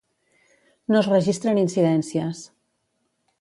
No es registren incidències.